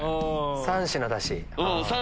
３品だし。